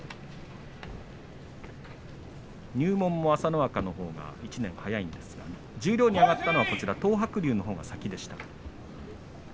入門も朝乃若のほうが１年早いんですが十両に上がったのは東白龍のほうが先でした。